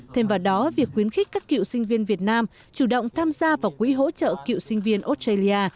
thêm vào đó việc khuyến khích các cựu sinh viên việt nam chủ động tham gia vào quỹ hỗ trợ cựu sinh viên australia